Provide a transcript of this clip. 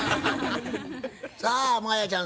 さあ真彩ちゃん